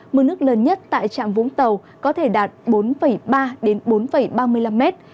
mưa nước lớn nhất tại trạm vũng tàu có thể đạt bốn ba đến bốn ba mươi năm mét